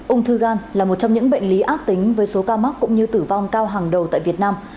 ung thư gan là một trong những bệnh lý ác tính với số ca mắc cũng như tử vong cao hàng đầu tại việt nam